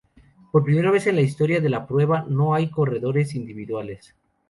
Por primera vez en la historia de la prueba no hay corredores individuales.